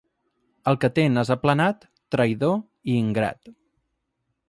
El que té nas aplanat, traïdor i ingrat.